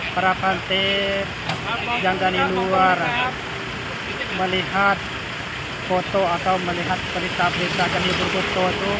para panti yang keluar melihat foto atau melihat berita berita berguna itu